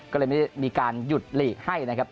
ก็เลยไม่ได้มีการหยุดหลีกให้นะครับ